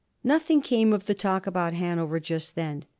Nothing came of the talk about Hanover just then.